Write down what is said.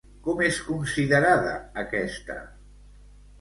Com és considerada aquesta?